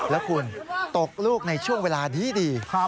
แล้วคุณตกลูกในช่วงเวลาดี